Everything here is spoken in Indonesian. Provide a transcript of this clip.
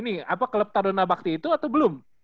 ini apa klub tadona bakti itu atau belum